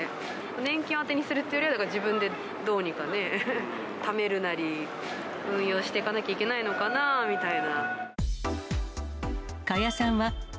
年金を当てにするっていうよりは、自分でどうにかね、ためるなり、運用してかなきゃいけないのかなみたいな。